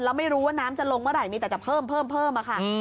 แล้วไม่รู้ว่าน้ำจะลงเมื่อไหร่มีแต่จะเพิ่มเพิ่มค่ะ